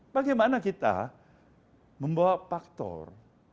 bagaimana kita membawa faktor